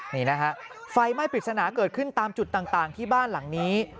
นี่นะฮะไฟไหม้ปริศนาเกิดขึ้นตามจุดต่างที่บ้านหลังนี้